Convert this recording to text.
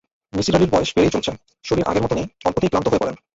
মিসির আলির বয়স বেড়েই চলছে, শরীর আগের মতো নেই, অল্পতেই ক্লান্ত হয়ে পড়েন।